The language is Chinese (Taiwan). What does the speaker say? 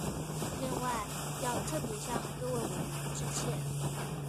另外要特別向各位委員致歉